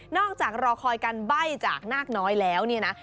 อกจากรอคอยการใบ้จากนาคน้อยแล้วเนี่ยนะ